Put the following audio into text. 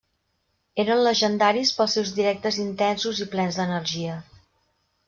Eren llegendaris pels seus directes intensos i plens d'energia.